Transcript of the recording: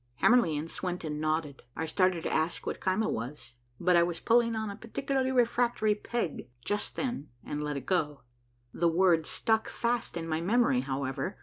Hamerly and Swenton nodded. I started to ask what caema was, but I was pulling on a particularly refractory peg just then and let it go. The word stuck fast in my memory, however.